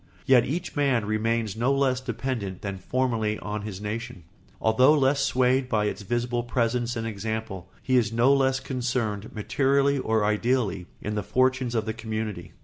Yet each man remains no less dependent than formerly on his nation, although less swayed by its visible presence and example; he is no less concerned, materially and ideally, in the fortunes of the community.